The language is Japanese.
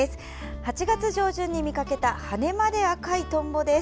８月上旬に見かけた羽まで赤いトンボです。